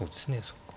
そっか。